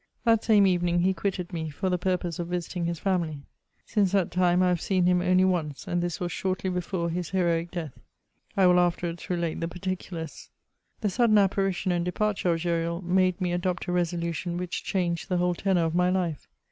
That same evening he quitted me, for the purpose of visiting his family. Since that time I have seen him oidy once, and this was shortly before his heroic death. I will afterwards relate the particulars. The sudden apparition and departure of Gesril made me adopt a resolution which changed the whole tenour of my life.